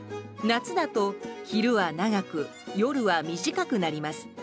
夏だと昼は長く夜は短くなります。